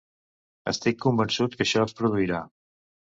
Estic convençut que això es produirà.